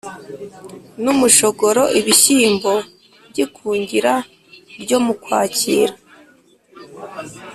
n’umushogoro Ibishyimbo by’ikungira ryo mu Kwakira